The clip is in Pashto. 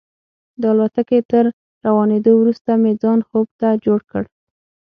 د الوتکې تر روانېدو وروسته مې ځان خوب ته جوړ کړ.